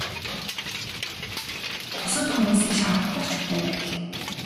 Бусад хүмүүсийн шаардлага ч мөн адил.